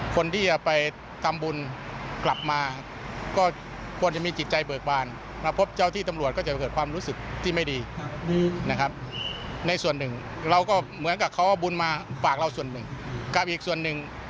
คนที่จะไปตามบุญกลับมาก็ควรจะมีจิตใจเบิกบ้าน